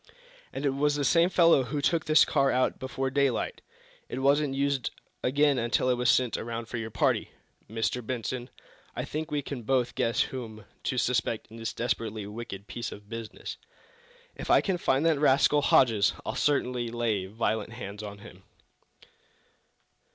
"And it was the same fellow who took this car out before daylight. It wasn't used again until it was sent around for your party. Mr. Benson, I think we can both guess whom to suspect in this desperately wicked piece of business. If I can find that rascal, Hodges, I'll certainly lay violent hands on him!"